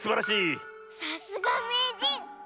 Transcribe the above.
さすがめいじん。